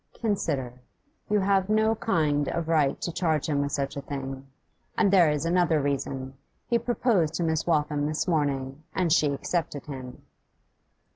'Consider. You have no kind of right to charge him with such a thing. And there is another reason: he proposed to Miss Waltham this morning, and she accepted him.